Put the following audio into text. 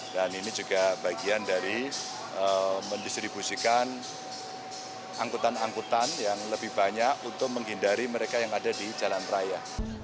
dan ini juga bagian dari mendistribusikan angkutan angkutan yang lebih banyak untuk menghindari mereka yang ada di jalan raya